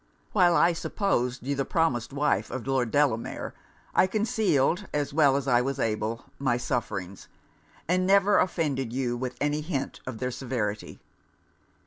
While I supposed you the promised wife of Lord Delamere, I concealed, as well as I was able, my sufferings, and never offended you with an hint of their severity.